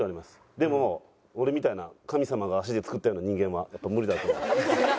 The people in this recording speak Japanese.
でも俺みたいな神様が足で作ったような人間はやっぱ無理だと。